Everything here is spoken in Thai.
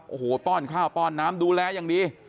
โอ้โหป้อนข้าวป้อนน้ำดูแลอย่างดี